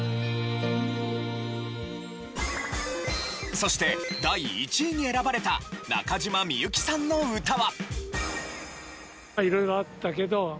そして第１位に選ばれた中島みゆきさんの歌は。